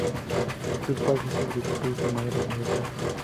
Su padre era agricultor y su madre ama de casa.